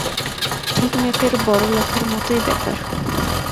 ঠিক ম্যাপের বড় লেখার মতোই ব্যাপার।